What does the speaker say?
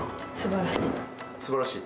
すばらしい？